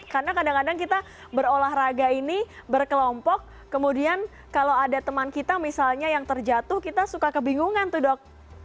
karena kadang kadang kita berolahraga ini berkelompok kemudian kalau ada teman kita misalnya yang terjatuh kita suka kebingungan tuh dok